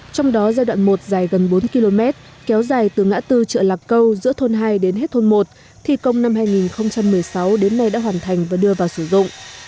trong đó giai đoạn một dài gần bốn km kéo dài từ ngã tư chợ lạc câu giữa thôn hai đến hết thôn một thi công năm hai nghìn một mươi sáu đến nay đã hoàn thành và đưa vào sử dụng